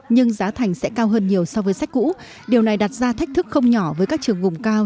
nhưng giá thành sẽ cao hơn nhiều so với sách cũ điều này đặt ra thách thức không nhỏ với các trường vùng cao